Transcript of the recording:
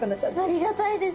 ありがたいです